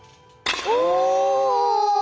おお！